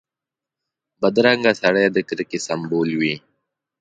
بدرنګه سړی د کرکې سمبول وي